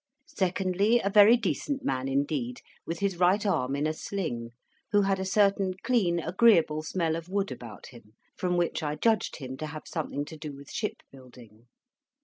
Secondly, a very decent man indeed, with his right arm in a sling, who had a certain clean agreeable smell of wood about him, from which I judged him to have something to do with shipbuilding.